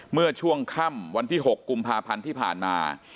เมื่อช่วงค่ำวันที่๖กุมภาพันธ์ที่ผ่านมา